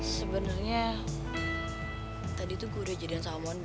sebenernya tadi tuh gue udah jadikan sahabat mondi